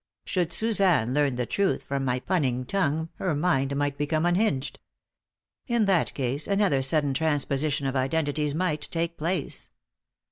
Should Suzanne learn the truth from my punning tongue, her mind might become unhinged. In that case, another sudden transposition of identities might take place!